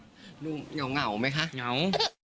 เหงาไหมคะ